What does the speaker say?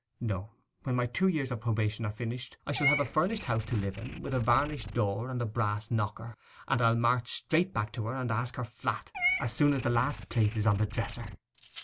No; when my two years of probation are finished, I shall have a furnished house to live in, with a varnished door and a brass knocker; and I'll march straight back to her, and ask her flat, as soon as the last plate is on the dresser!